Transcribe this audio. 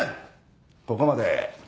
ここまで。